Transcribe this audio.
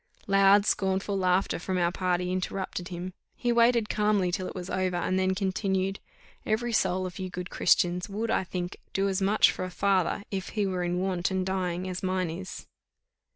_ Loud scornful laughter from our party interrupted him; he waited calmly till it was over, and then continued, "Every soul of you good Christians would, I think, do as much for a father, if he were in want and dying, as mine is."